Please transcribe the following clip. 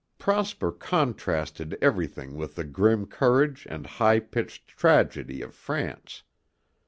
Prosper contrasted everything with the grim courage and high pitched tragedy of France.